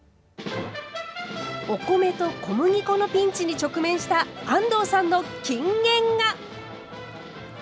お米と小麦粉のピンチに直面した安藤さんの金言が。